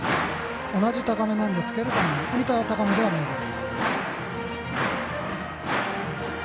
同じ高めなんですが浮いた高めではないです。